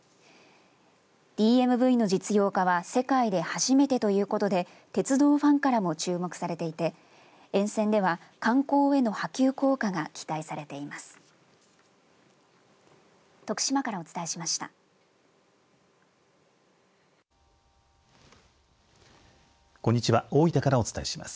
ＤＭＶの実用化は世界で初めてということで鉄道ファンからも注目されていて沿線では観光への波及効果が期待されています。